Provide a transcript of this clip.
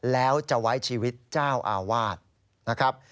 แล้วจะไว้ชีวิตเจ้าอาวาสนะครับ